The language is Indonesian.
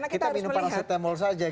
karena kita harus melihat